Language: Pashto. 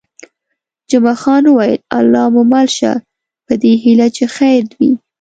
جمعه خان وویل: الله مو مل شه، په دې هیله چې خیر وي.